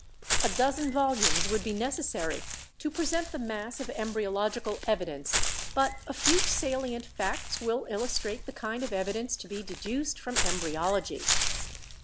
A dozen volumes would be necessary to present the mass of embryological evidence, but a few salient facts will illustrate the kind of evidence to be deduced from embryology.